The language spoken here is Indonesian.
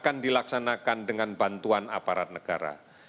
akan dilaksanakan dengan bantuan aparat negara